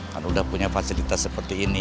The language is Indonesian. kan sudah punya fasilitas seperti ini